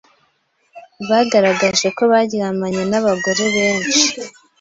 bagaragaje ko baryamanye n’abagore benshi